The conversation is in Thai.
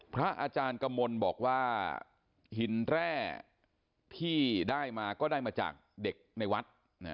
พระอาจารย์กมลบอกว่าหินแร่ที่ได้มาก็ได้มาจากเด็กในวัด